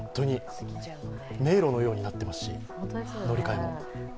迷路のようになってますし乗り換えも。